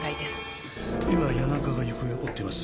今谷中が行方を追っています。